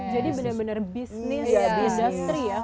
jadi benar benar bisnis industri ya